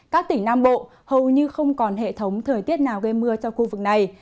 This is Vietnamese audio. các tỉnh nam bộ hầu như không còn hệ thống thời tiết nào gây mưa cho khu vực này